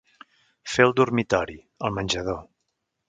Fer el dormitori, el menjador.